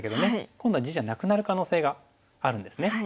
今度は地じゃなくなる可能性があるんですね。